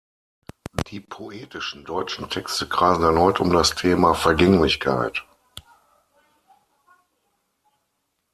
Die poetischen, deutschen Texte kreisen erneut um das Thema Vergänglichkeit.